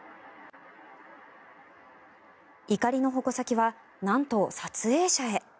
怒りの矛先は、なんと撮影者へ。